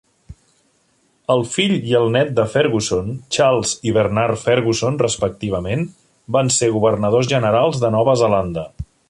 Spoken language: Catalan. El fill i el net de Fergusson, Charles i Bernard Fergusson, respectivament, van ser governadors generals de Nova Zelanda.